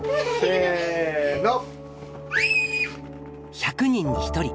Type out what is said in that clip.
１００人に１人。